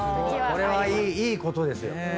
これはいいことですよ。